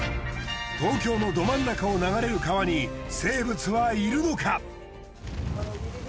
東京のど真ん中を流れる川に生物はいるのか？